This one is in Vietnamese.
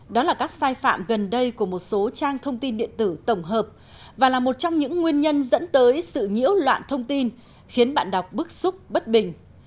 đó là các sai phạm gần đây của một số trang thông tin điện tử tổng hợp và là một trong những nguyên nhân dẫn tới sự nhiễu loạn thông tin khiến bạn đọc bức xúc bất bình